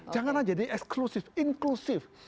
janganlah jadi eksklusif inklusif